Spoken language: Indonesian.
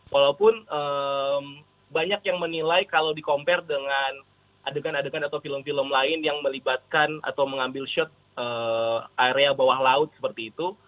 walaupun banyak yang menilai kalau di compare dengan adegan adegan atau film film lain yang melibatkan atau mengambil shot area bawah laut seperti itu